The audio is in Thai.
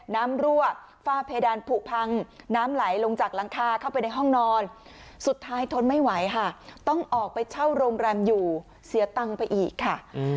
รั่วฝ้าเพดานผูกพังน้ำไหลลงจากหลังคาเข้าไปในห้องนอนสุดท้ายทนไม่ไหวค่ะต้องออกไปเช่าโรงแรมอยู่เสียตังค์ไปอีกค่ะ